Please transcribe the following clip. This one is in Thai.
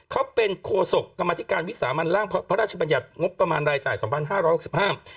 เขาเป็นโฆษกรรมนาธิการวิสามันร่างพระราชบัญญัติงบประมาณรายจ่าย๒๕๖๕บาท